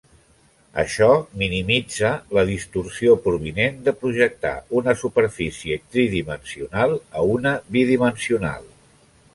Això minimitza la distorsió provinent de projectar una superfície tridimensional a una bidimensional.